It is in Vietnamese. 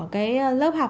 cái lớp học